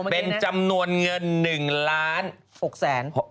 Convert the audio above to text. เป็นจำนวนเงินเท่าไหร่ครับ